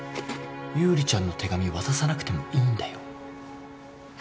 優里ちゃんの手紙渡さなくてもいいんだよ？早くやって！